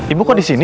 ibu kok di sini